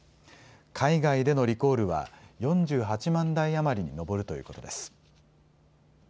海外でのリコールは４８万台余りに上るということです。